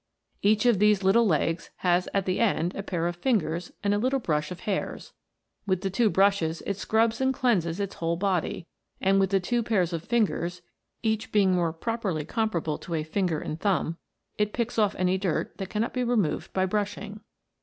Each of these little legs has at the end a pair of fingers and a little brush of hairs. With the two brushes it scrubs and cleanses its whole body, and with the two pairs of fingers each being more properly comparable to a finger and thumb it picks off any dirt that cannot be removed by brushing.